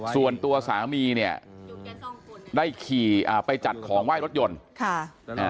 ส่วนตัวสามีเนี่ยได้ขี่ไปจัดของไหว้รถยนต์